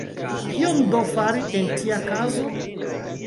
Kion do fari en tia okazo?